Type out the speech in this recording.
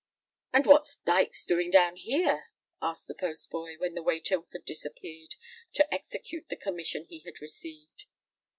"And what's Dykes doing down here?" asked the postboy, when the waiter had disappeared to execute the commission he had received.